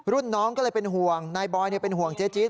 รุ่นน้องก็เลยเป็นห่วงนายบอยเป็นห่วงเจ๊จี๊